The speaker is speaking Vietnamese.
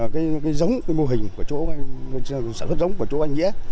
cái giống cái mô hình của chỗ sản xuất giống của chỗ anh nghĩa